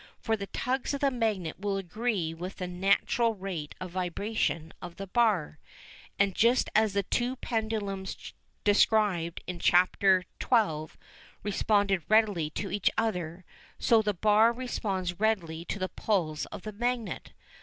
For the tugs of the magnet will agree with the natural rate of vibration of the bar. And just as the two pendulums described in Chapter XII. responded readily to each other, so the bar responds readily to the pulls of the magnet.